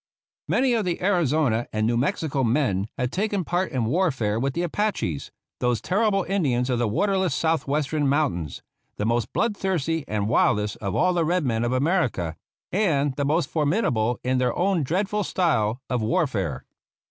Many of the Arizona and New Mexico men had taken part in warfare with the Apaches, 2* RAISING THE REGIMENT those terrible Indians of the waterless Southwest ern mountains — the most bloodthirsty and the wildest of all the red men of America, and the most formidable in their own dreadful style of warfare.